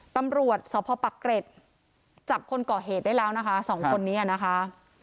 ตำรวจสพปักเกร็ดจับคนก่อเหตุได้แล้วนะคะสองคนนี้นะคะ